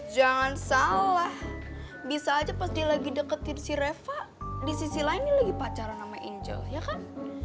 jangan salah bisa aja pas dia lagi deketin si reva di sisi lainnya lagi pacaran sama angel ya kan